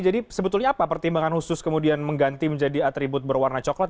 jadi sebetulnya apa pertimbangan khusus kemudian mengganti menjadi atribut berwarna coklat